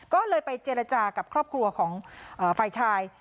ก็เลยไปเจรจากับครอบครัวของฝ่ายชาย